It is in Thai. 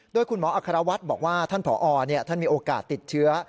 โดยคุณหมออัครวัฒน์บอกว่าท่านผอท่านมีโอกาสติดเชื้อ